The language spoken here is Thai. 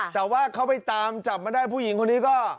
แต่ว่าเขาไปตามจับมาได้ผู้หญิงคนนี้ก็